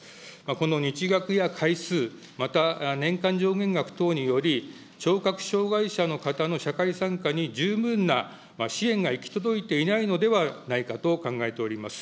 この日額や回数、また年間上限額等により、聴覚障害者の方の社会参加に十分な支援が行き届いていないのではないかと考えております。